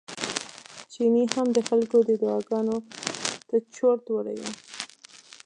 چيني هم د خلکو دې دعاګانو ته چورت وړی و.